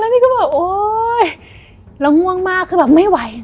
แล้วนี่ก็แบบโอ้ยง่วงมากไม่ไหว